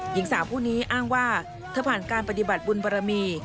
หญิงสาวผู้นี้อ้างว่าเธอผ่านการปฏิบัติบุญบารมี